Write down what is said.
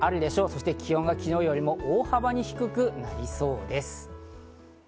そして気温が昨日よりも大幅に低くなりそうです。